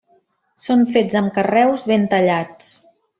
Són fets amb carreus ben tallats.